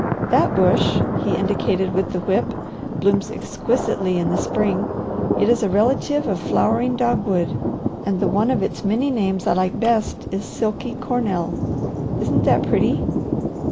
That bush," he indicated with the whip, "blooms exquisitely in the spring. It is a relative of flowering dogwood, and the one of its many names I like best is silky cornel. Isn't that pretty?"